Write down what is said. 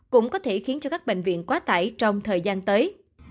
cũng có thể khiến cho các bệnh viện quá tải trong thời gian tới